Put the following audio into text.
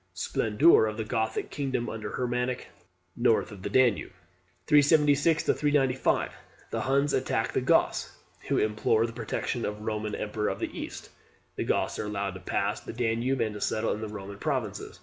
Splendour of the Gothic kingdom under Hermanric, north of the Danube. 376 395. The Huns attack the Goths, who implore the protection of the Roman emperor of the East. The Goths are allowed to pass the Danube, and to settle in the Roman provinces.